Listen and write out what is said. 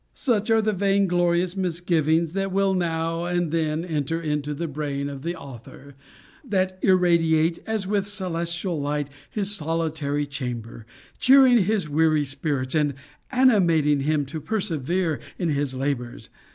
Such are the vain glorious misgivings that will now and then enter into the brain of the author that irradiate, as with celestial light, his solitary chamber, cheering his weary spirits, and animating him to persevere in his labors.